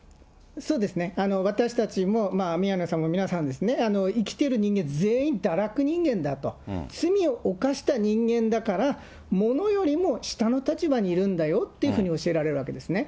そうですね、私たちも、宮根さんも皆さんですね、生きてる人間、全員堕落人間だと、罪を犯した人間だから、物よりも下の立場にいるんだよって教えられるわけですね。